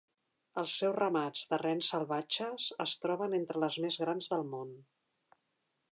Els seus ramats de rens salvatges es troben entre les més grans del món.